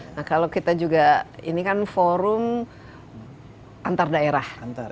nah kalau kita juga ini kan forum antar daerah